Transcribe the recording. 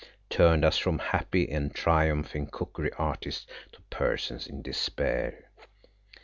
turned us from happy and triumphing cookery artists to persons in despair.